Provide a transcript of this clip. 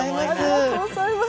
ありがとうございます。